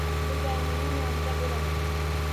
Xo‘jayinimning yonida bo‘laman